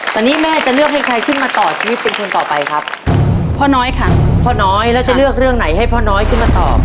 ตอนนี้แม่จะเลือกให้ใครขึ้นมาต่อชีวิตเป็นคนต่อไปครับพ่อน้อยค่ะพ่อน้อยแล้วจะเลือกเรื่องไหนให้พ่อน้อยขึ้นมาตอบ